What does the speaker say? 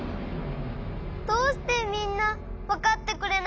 どうしてみんなわかってくれないの！？